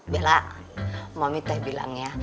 bel mami teh bilang ya